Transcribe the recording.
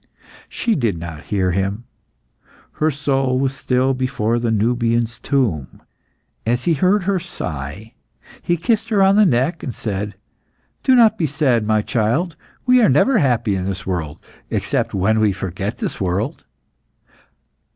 She did not hear him; her soul was still before the Nubian's tomb. As he heard her sigh, he kissed her on the neck, and said "Do not be sad, my child. We are never happy in this world, except when we forget the world.